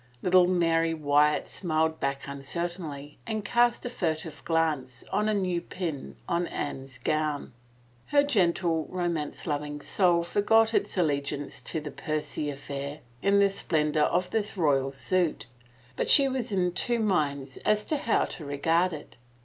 Little Mary Wyatt smiled back uncertainly and cast a furtive glance on a new pin on Anne's gown. Her gen tle, romance loving soul forgot its allegiance to the Percy affair in the splendor of this royal suit, but she was in two minds as to how to regard it.